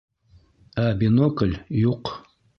Ә бинокль юҡ.